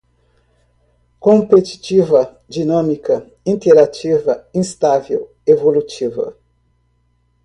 competitiva, dinâmica, interativa, instável, evolutiva